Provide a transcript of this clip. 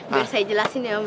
biar saya jelasin nih om